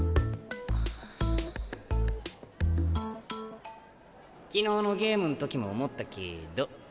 回想昨日のゲームん時も思ったけど。